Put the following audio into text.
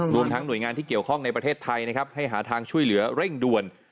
รวมทั้งหน่วยงานที่เกี่ยวข้องในประเทศไทยนะครับให้หาทางช่วยเหลือเร่งด่วน